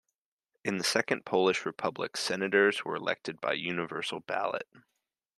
In the Second Polish Republic, senators were elected by universal ballot.